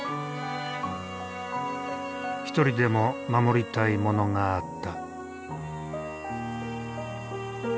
一人でも守りたいものがあった。